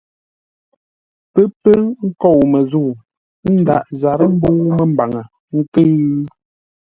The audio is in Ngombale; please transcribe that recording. Pə́ pə́ nkôu məzə̂u, ə́ ndǎghʼ zarə́ mbə̂u məmbaŋə ńkʉ̂ʉ?